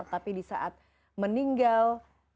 tapi di saat meninggal